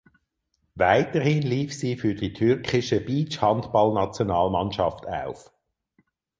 Weiterhin lief sie für die türkische Beachhandballnationalmannschaft auf.